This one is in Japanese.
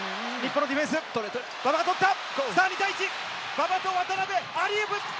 馬場と渡邊、アリウープ！